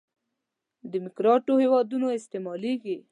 دیموکراتیکو هېوادونو استعمالېږي.